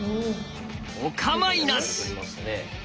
お構いなし！